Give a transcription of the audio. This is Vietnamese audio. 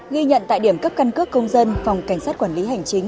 ghi nhận tại điểm cấp căn cước công dân phòng cảnh sát quản lý hành chính